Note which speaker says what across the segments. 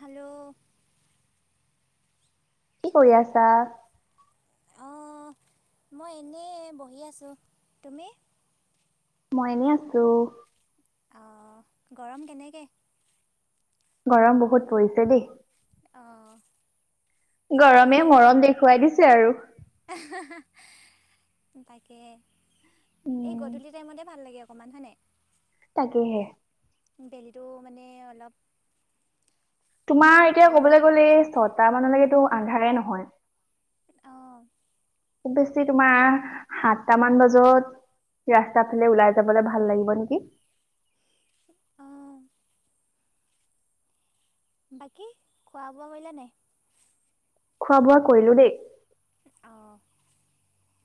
Speaker 1: Hello
Speaker 2: কি কৰি আছা?
Speaker 1: অ', মই এনে বহি আছোঁ, তুমি?
Speaker 2: মই এনে আছোঁ।
Speaker 1: অ', গৰম কেনেকে?
Speaker 2: গৰম বহুত পৰিছে দে।
Speaker 1: অ',
Speaker 2: গৰমে মৰম দেখুৱাই দিছে আৰু।
Speaker 1: তাকে, এই
Speaker 2: উম,
Speaker 1: গধূলি টাইমতে ভাল লাগে অকণমান, হয়নে?
Speaker 2: তাকেহে।
Speaker 1: বেলিটো মানে অলপ
Speaker 2: তোমাৰ এতিয়া
Speaker 1: পাতল হয়
Speaker 2: ক'বলে গ'লে ছটা মানলৈকেতো আন্ধাৰে নহয়।
Speaker 1: অ',
Speaker 2: খুব বেছি তোমাৰ, সাতটামান বাজত ৰাস্তাৰ ফালে ওলাই যাবলৈ, ভাল লাগিব নেকি?
Speaker 1: অঁহ। বাকী, খোৱা-বোৱা কৰিলা নাই?
Speaker 2: খোৱা-বোৱা কৰিলোঁ, দেই।
Speaker 1: অঁ,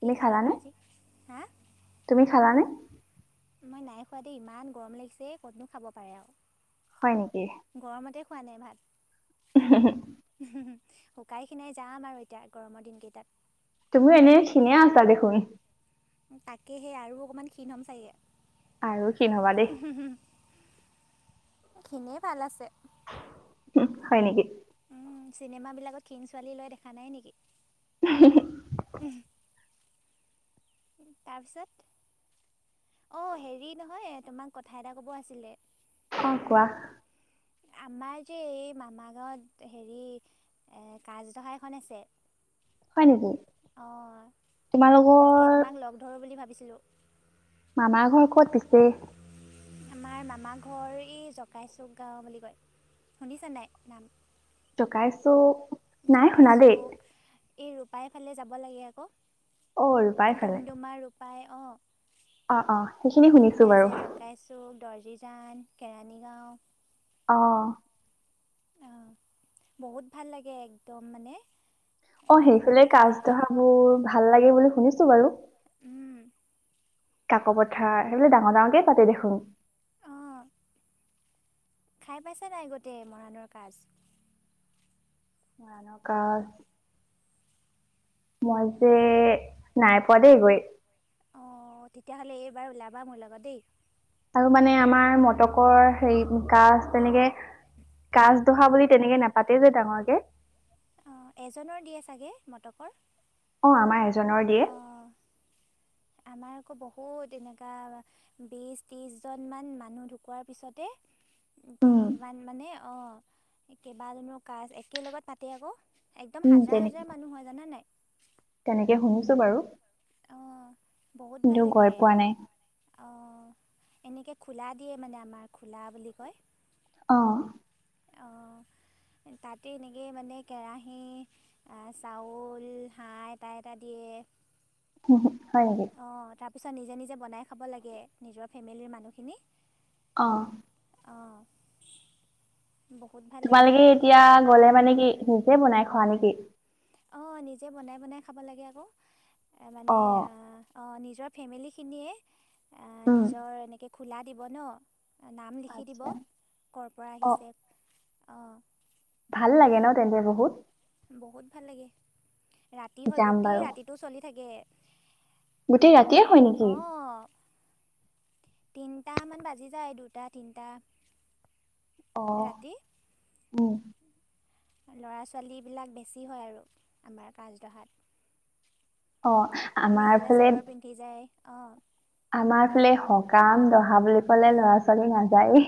Speaker 1: কি খালা
Speaker 2: খালানে?
Speaker 1: ভাজি হা
Speaker 2: তুমি খালানে?
Speaker 1: মই নাই খোৱা, দেই। ইমান গৰম লাগিছে, ক'তনো খাব পাৰে, আৰু।
Speaker 2: হয় নেকি?
Speaker 1: গৰমতে খোৱা নাই ভাত হু হু শুকাই খিনাই যাম আৰু এতিয়া গৰমৰ দিন কেইটাত
Speaker 2: তুমিও এনেই ক্ষীনেই আছা দেখোন
Speaker 1: তাকে সে আৰু অকমান ক্ষীণ হ'ম চাগে
Speaker 2: আৰু ক্ষীণ হবা দেই
Speaker 1: ক্ষীনেই ভাল আছে
Speaker 2: হয় নেকি
Speaker 1: উম চিনেমাবিলাকত ক্ষীণ ছোৱালী লয় দেখা নাই নেকি
Speaker 2: উহ্ম
Speaker 1: তাৰপিছত অ হেৰি নহয় তোমাক কথা এটা কব আছিলে
Speaker 2: অ কোৱা
Speaker 1: আমাৰ যে এই মামা গাঁৱত হেৰি কাজ দহা এখন আছে
Speaker 2: হয় নেকি
Speaker 1: অ'
Speaker 2: তোমালোকৰ
Speaker 1: পছিলিলো [inaudible]
Speaker 2: মামাৰ ঘৰ কত পিছে
Speaker 1: আমাৰ মামা ঘৰ এই জকাইচুক গাঁও বুলি কয় শুনিছা নাই নাম
Speaker 2: জকাইচক
Speaker 1: জকাইচুক এই ৰূপাইফালে যাব লাগে আকৌ
Speaker 2: অল ৰূপাইফালে
Speaker 1: পাই অ
Speaker 2: শুনিছো
Speaker 1: সেইপিনে
Speaker 2: বাৰু
Speaker 1: আছে জকাইচুক দৰ্জীচুপা ভূটান কেৰাণীগাঁও।
Speaker 2: অঁ।
Speaker 1: অঁ, বহুত ভাল লাগে একদম মানে।
Speaker 2: অঁ,
Speaker 1: মানুহ
Speaker 2: সেইফালে
Speaker 1: বহুত হয়
Speaker 2: কাজ ধহা বোৰ ভাল লাগে বুলি শুনিছো বাৰু!
Speaker 1: উম।
Speaker 2: কাক পথাৰ সেইবোৰ ডাঙৰ ডাঙৰকেই পাতে দেখোন
Speaker 1: অঁ খাই পাইছে নাই গোটেই মৰাণৰ কাজ
Speaker 2: মৰাণৰ কাজ মই যে নাই পোৱাদেই গৈ
Speaker 1: অ তেতিয়াহ'লে এইবাৰ ওলাবা মোৰ লগত দেই
Speaker 2: আৰু মানে আমাৰ মটকৰ হেৰি কাজ তেনেকে কাছ ধৰা বুলি তেনেকে নাপাতেই যে ডাঙৰকে
Speaker 1: অ এজনৰ দিয়ে চাগে মটকৰ
Speaker 2: অ আমাৰ এজনৰ দিয়ে
Speaker 1: অঁ আমাৰ আকৌ বহুত এনেকুৱা বিছ ত্ৰিছজনমান মানুহ ঢুকোৱাৰ পিছতে
Speaker 2: উম
Speaker 1: সিমান মানে অ কেইবাজনো কাজ একেল লগত পাতে আকৌ একদম
Speaker 2: উম
Speaker 1: হাজাৰ
Speaker 2: তেনে
Speaker 1: হাজাৰ মানুহ হয় জানা নাই
Speaker 2: তেনেকে শুনিছো বাৰু
Speaker 1: অ বহুত
Speaker 2: কিন্তু
Speaker 1: ভাল
Speaker 2: গৈ
Speaker 1: লাগে
Speaker 2: পোৱা নাই
Speaker 1: অ এনেকে খোলা দিয়ে মানে আমাৰ খোলা বুলি কয়
Speaker 2: আহ
Speaker 1: তাতে এনেকেই মানে কেৰাহী চাউল হাঁহ এটা এটা দি
Speaker 2: উ হয় নকে
Speaker 1: ত পিছত নিজে নিজে বনাই খাব লাগে নিজৰ ফেমিলিৰ মানুহখিনি
Speaker 2: অ
Speaker 1: অ
Speaker 2: তোমালোকে এতিয়া গলে মানে কি নিজে বনাই খোৱা নেকি
Speaker 1: অ নিজে বনাই বনাই খাব লাগে আকৌ মানে
Speaker 2: অ'।
Speaker 1: অ নিজ নিজৰ ফেমিলিখিনিয়ে
Speaker 2: উম,
Speaker 1: নিজৰ এনেকে খোলা দিব ন নাম লিখি দিব
Speaker 2: আচ্ছা
Speaker 1: ক'ৰ পৰা
Speaker 2: অ'
Speaker 1: আহিছে অঁ
Speaker 2: ভাল লাগে ন তেন্তে বহুত
Speaker 1: বহুত ভাল লাগে ৰাতি হয়
Speaker 2: যাম
Speaker 1: গোটেই
Speaker 2: বাৰু
Speaker 1: ৰাতিটো চলি থাকে
Speaker 2: গোটেই ৰাতিয়ে হয় নেকি
Speaker 1: অঁ তিনিটামান বাজি যায় দুটা তিনিটা
Speaker 2: অ
Speaker 1: ৰাতি
Speaker 2: উম
Speaker 1: ল'ৰা ছোৱালীবিলাক বেছি হয় আৰু আমাৰ কাছডহাত
Speaker 2: অ আমাৰ ফালে
Speaker 1: চাদৰ পিন্ধি যায় অঁ
Speaker 2: আমাৰ ফালে সকাম দহা বুলি কলে ল'ৰা ছোৱালী নাযায়েই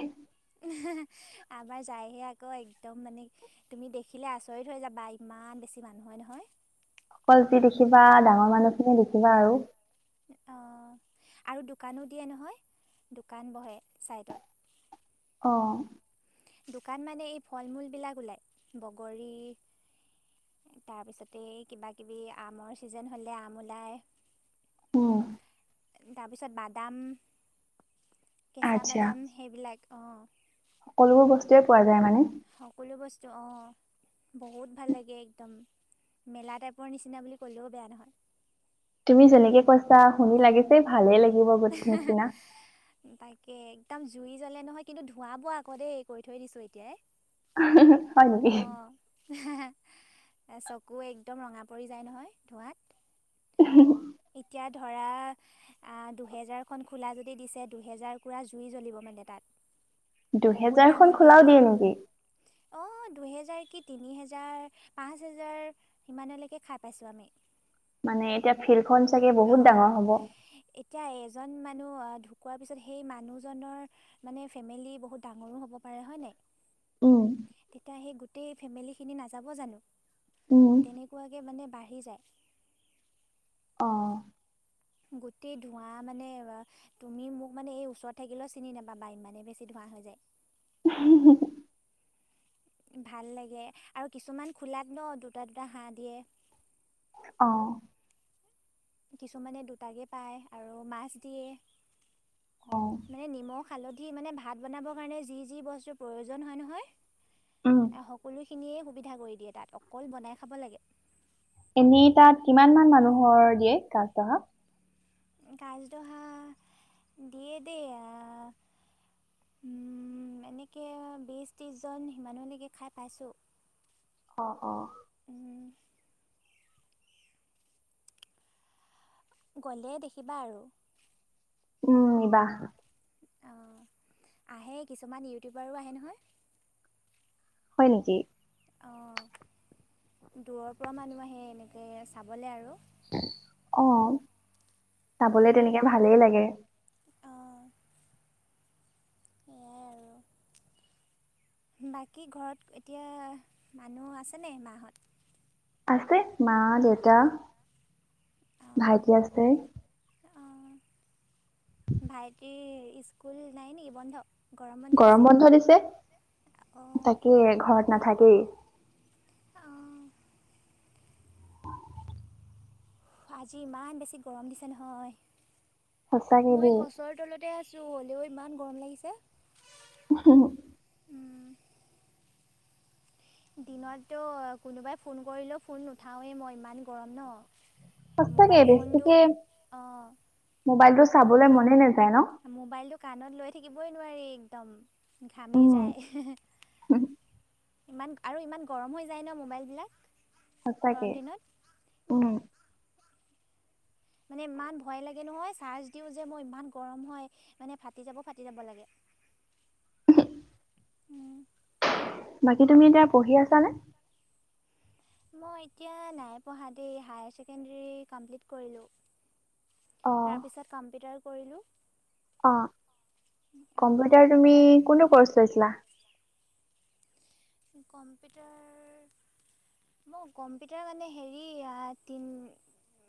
Speaker 1: আমাৰ যায়হে আকৌ একদম মানে তুমি দেখিলে আচৰিত হৈ যাবা ই ইমান বেছি মানুহ হয় নহয়
Speaker 2: অকল যি দেখিবা ডাঙৰ মানুহ খিনি দেখিবা আৰু
Speaker 1: অঁ, আৰু দোকানো দিয়ে নহয়। দোকান বহে চাইডত।
Speaker 2: অ'।
Speaker 1: দোকান মানে এই ফল-মূলবিলাক ওলায়। বগৰী, তাৰপিছতে কিবা-কিবি আমৰ ছিজন হ'লে আম ওলায়।
Speaker 2: উম।
Speaker 1: তাৰপিছত বাদাম কেঁচা
Speaker 2: আচ্ছা
Speaker 1: বাদাম সেইবিলাক। অঁ,
Speaker 2: সকলোবোৰ বস্তুয়ে পোৱা যা
Speaker 1: সকলো বস্তু অ বহুত ভাল লাগে একদম মেলা টাইপৰ নিচিনা বুলি ক'লেও বেয়া নহয়
Speaker 2: তুমি যেনেকে কৈছা শুনি লাগিছে ভালেই লাগিব গোট নিচিনা
Speaker 1: তাকে একদম জুইৰি জ্বলে নহয় কিন্তু ধৱ বোৱা আকৌ দেই কৰি থৈ দিছো এতিয়াই
Speaker 2: হয় ন
Speaker 1: অঁ চকু একদম ৰঙা পৰি যায় নহয় ধোঁৱাত এতিাত ধৰা আ দি দুহেজাৰখন খোলা যদি দিছে দুহেজাৰকুৰা জুই জ্বলিব মানে তাত বহুত
Speaker 2: দুহেজাৰখন
Speaker 1: ডাঙৰকে
Speaker 2: খোলাও
Speaker 1: দিয়ে।
Speaker 2: নেকি?
Speaker 1: অ' দুহেজাৰ তিনি হেজাৰ, পাঁচ হেজাৰ সিমানলৈকে খাই পাইছোঁ আমি।
Speaker 2: মানে এতিয়া ফিল্ডখন চাগে বহুত
Speaker 1: অঁ
Speaker 2: ডাঙৰ হ'ব।
Speaker 1: এতিয়া এজন মানুহ ঢুকোৱাৰ পিছত সেই মানুহজনৰ মানে ফেমিলি বহুত ডাঙৰো হ'ব পা ৰে হয়নে?
Speaker 2: উম,
Speaker 1: তেতিয়া হেই গোটেই ফেমিলি খিনি নাযাব জানো।
Speaker 2: উম।
Speaker 1: তেনেকুৱাকে মানে বাঢ়ি যায়।
Speaker 2: আহ।
Speaker 1: গোটেই ধোঁৱা মানে তুমি মোক মানে এই ওচৰত থাকিলেও চিনি নেপাবা, ইমানে বেছি ধোঁৱা। আহো দে।
Speaker 2: উমহু,
Speaker 1: ভাল লাগে আৰু কিছুমান খোলাত ন দুটা-দুটা হাঁহ দিয়ে।
Speaker 2: অ',
Speaker 1: কিছুমানে দুটাকে পায় আৰু মাছ দিয়ে
Speaker 2: অ',
Speaker 1: মানে নিমখ। হালধি মানে ভাত বনাবৰ কাৰণে যি - যি বস্তুৰ প্ৰয়োজন হয়
Speaker 2: উম,
Speaker 1: নহয় সকলোখিনিয়ে সুবিধা কৰি দিয়ে তাত অকল বনাই খাব লাগে।
Speaker 2: এনেই তাত কিমান মান মানুহৰ দিয়ে কাজডহা
Speaker 1: কাজডহা দিয়েদিয়। এনেকে বিশ ত্ৰিশজন সিমানহলৈেকে খাই পাইছোঁ।
Speaker 2: অ', অ ',
Speaker 1: উম, গ'লে দেখিবা আৰু
Speaker 2: উম, নিবা।
Speaker 1: অ, আহে কিছুমান ইউটিউবাৰো আহে নহয়।
Speaker 2: হয় নেকি?
Speaker 1: অ', দূৰৰ পৰা মানুহ আহে এনেকে চাবলৈ আৰু।
Speaker 2: অ, চাবলে
Speaker 1: অঁ
Speaker 2: তেনেকে ভালেই লাগে। [inaudible]
Speaker 1: সেয়াই আৰু
Speaker 2: [inaudible]
Speaker 1: বাকী ঘৰত এতিয়া মানুহ আছেনে মাহত?
Speaker 2: আছে মা, দেউতা,
Speaker 1: অঁ
Speaker 2: ভাইটি আছে।
Speaker 1: অঁ ভাইটিৰ স্কুল নাই নেকি বন্ধ?
Speaker 2: গৰম বন্ধ দিছে,
Speaker 1: অঁ
Speaker 2: তাকে ঘৰত নাথাকেই।
Speaker 1: অঁ আজি ইমান বেছি গৰম দিছে নহয়।
Speaker 2: সঁচাকে
Speaker 1: মই
Speaker 2: দেই।
Speaker 1: গছৰ তলতে আছ ছো হ'লেও ইমান গৰম লাগিছে।
Speaker 2: [unintelligible]
Speaker 1: দিনতো কোনোবাই ফোন কৰিলেওঁ ফোন নুঠাওৱেই মই ইমান গৰম ন
Speaker 2: সঁচাকে
Speaker 1: মোবাইল ফোনটো
Speaker 2: বেছিকে
Speaker 1: অঁ
Speaker 2: মোবাইলটো চাবলে মনে নাযায়। ন'?
Speaker 1: মোবাইলটো কাণত লৈ থাকিবই নোৱাৰি একদম। ঘামি
Speaker 2: উম
Speaker 1: যায়। ইমান আৰু ইমান গৰম হৈ যায় ন' মোবাইল বিলাক।
Speaker 2: সঁচাকে উম।
Speaker 1: মানে ইমান ভয় লাগে নহয় চাৰ্জ দিওঁ যে মই, ইমান গৰম হয় মানে ফাটি যাব ফাটি যাব লাগে।
Speaker 2: [inaudible]
Speaker 1: উম,
Speaker 2: বাকী তুমি এতিয়া পঢ়ি আছানে?
Speaker 1: মই এতিয়া নাই পঢ়া দেই, হায়াৰ ছেকেণ্ডেৰী কমপ্লিট কৰিলোঁ।
Speaker 2: অ',
Speaker 1: তাৰপিছত কম্পিউটাৰো কৰিলোঁ।
Speaker 2: অ
Speaker 1: অঁ,
Speaker 2: কম্পিউটাৰ তুমি
Speaker 1: এতিয়া
Speaker 2: কোনটো কৰ্চ লৈছিলা।
Speaker 1: কম্পিউটাৰ মই কম্পিউটাৰ মানে হেৰি আ তিন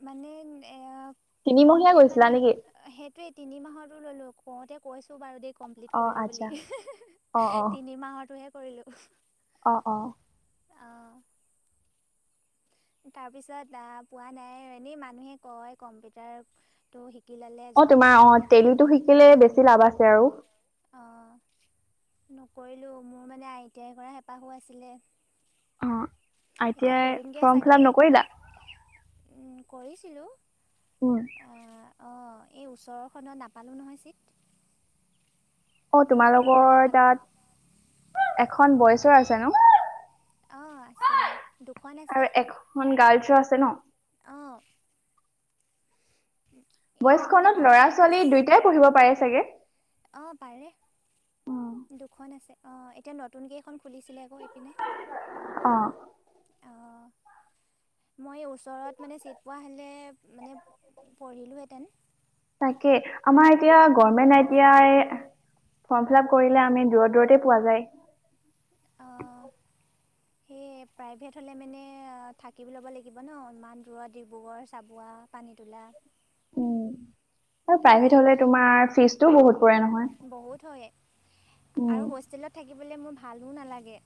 Speaker 1: মানে এয়া
Speaker 2: তিনিমহীয়া
Speaker 1: কমপ্লিট
Speaker 2: গৈছিলা
Speaker 1: মানে
Speaker 2: নেকি
Speaker 1: সেইটোয়েই তিনি মাহৰতো ললোঁ কওঁতে কৈছো বাৰু দেই। কমপ্লিট
Speaker 2: অ
Speaker 1: কৰিলো বুলি,
Speaker 2: আচ্ছা অ অ
Speaker 1: তিনি মাহৰতোহে কৰিলোঁ।
Speaker 2: অ', অ',
Speaker 1: তাৰ পিছত আহ পোৱা নাই এনেই মানুহে কয় কম্পিউটাৰটো সিক
Speaker 2: অ', তোমাৰ অ', তেলিটো শিকিলে বেছি লাভ আছে আৰু।
Speaker 1: অঁ নকৰিলোঁ, মোৰ মানে আই টি আই কৰা হেঁপাহো আছিলে
Speaker 2: অ', আই টি
Speaker 1: এতিয়া
Speaker 2: আই
Speaker 1: কৰিমগৈ
Speaker 2: ফৰ্ম
Speaker 1: চাগে
Speaker 2: ফিলআপ নকৰিলা?
Speaker 1: কৰিছিলোঁ।
Speaker 2: উম
Speaker 1: অ', এই ওচৰৰখনত নাপালোঁ নহয় ছিট।
Speaker 2: অ',
Speaker 1: দূৰৰখনত
Speaker 2: তোমালোকৰ
Speaker 1: পালোঁ
Speaker 2: তাত এখন বইচৰ আছে ন'?
Speaker 1: অ', আছে দুখন আছে।
Speaker 2: আৰু এখন গাৰ্লছৰ আছে ন'?
Speaker 1: অ'।
Speaker 2: বইচ
Speaker 1: মানে
Speaker 2: খনত
Speaker 1: পাৰ্চেণ্টেজ
Speaker 2: ল'ৰা-ছোৱালী দুয়টাই পঢ়িব পাৰে চাগে?
Speaker 1: অঁ পাৰে অ', এতিয়া নতুন এখন খুলিছিলে আকৌ এইপিনে।
Speaker 2: অ
Speaker 1: অ' মইয়েই ওচৰত মানে চিট পোৱা হ'লে মানে পঢ়িলোহেঁতেন।
Speaker 2: Government I T I form fill up কৰিলে আমি দূৰত দূৰতে পোৱা যায়। [inaudible]
Speaker 1: অঁ সেই প্ৰাইভেট হ'লে মানে থাকি ল'ব লাগিব ন' ইমান দূৰত ডিব্ৰুগড়, চাবুৱা, পানীতোলা।
Speaker 2: হয়,
Speaker 1: আৰু
Speaker 2: প্ৰাইভেট হ'লে তোমাৰ ফিজতটো বহুত। পৰে নহয়
Speaker 1: বহুত হয়
Speaker 2: উম,
Speaker 1: আৰু হোষ্টেলত থাকিবলে মোৰ ভালো নালাগে।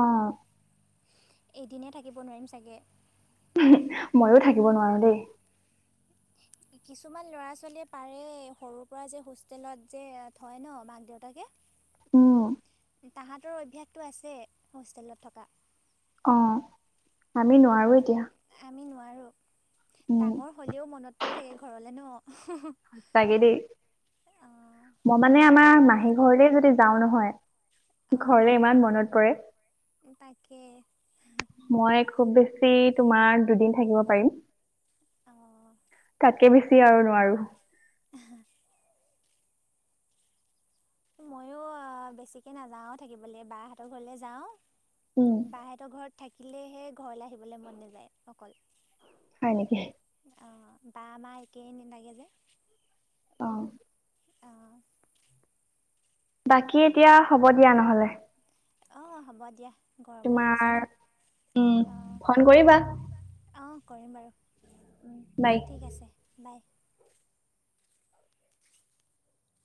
Speaker 2: অ'।
Speaker 1: এদিনেই থাকিব নোৱাৰিম চাগে।
Speaker 2: ময়ো থাকিব নোৱাৰো দেই।
Speaker 1: কিছুমান ল'ৰা ছোৱালীয়ে পাৰে সৰুৰ পৰা যে হোষ্টেলত যে থয় ন', মাক দেউতাকে।
Speaker 2: উম।
Speaker 1: তাহাঁতৰ অভ্যাসটো আছে হোষ্টেলত থকা।
Speaker 2: অ', আমি নোৱাৰো এতিয়া।
Speaker 1: আমি নোৱাৰো
Speaker 2: উম,
Speaker 1: ডাঙৰ হ'লেও মনত পৰি থাকে ঘৰলে ন'।
Speaker 2: সচাঁকে দেই
Speaker 1: অঁ
Speaker 2: মই মানে আমাৰ মাহী ঘৰলে যদি যাওঁ নহয় ঘৰলে
Speaker 1: অঁ
Speaker 2: ইমান মনত পৰে,
Speaker 1: তাকে
Speaker 2: মই খুব বেছি তোমাৰ দুদিন থাকিব পাৰিম।
Speaker 1: অঁ
Speaker 2: তাতকে বেছি আৰু নোৱাৰো।
Speaker 1: ময়ো বেছিকে নাযাওঁ থাকিবলৈ বাহঁতৰ ঘৰলে যাওঁ
Speaker 2: উম,
Speaker 1: বাহেতৰ ঘৰত থাকিলেহে ঘৰলে আহিব বলে মন নযায় অকল
Speaker 2: হয় নেকি?
Speaker 1: অ বা মা একেই নেলাগে যে
Speaker 2: অহ
Speaker 1: অঁ
Speaker 2: বাকী এতিয়া হ'ব দিয়া নহলে
Speaker 1: অ হ'ব দিয়া গৰমো লাগিছে ন
Speaker 2: তোমাৰ উম ফোন কৰিবা
Speaker 1: অ কৰিম বাৰু
Speaker 2: বাই।
Speaker 1: ঠিক আছে বাই